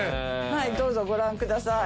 はいどうぞご覧ください。